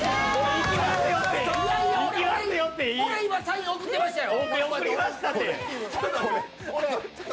いやいや、俺、今サイン送ってましたよ。